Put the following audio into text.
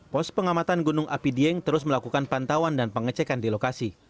pos pengamatan gunung api dieng terus melakukan pantauan dan pengecekan di lokasi